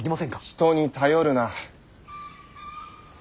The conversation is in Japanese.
人に頼るな。